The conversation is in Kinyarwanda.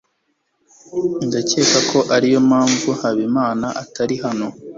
Ndakeka ko ariyo mpamvu Habimana atari hano.